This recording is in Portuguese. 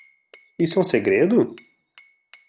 Isso é um segredo?